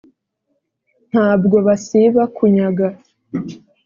ntabwo basiba kunyaga.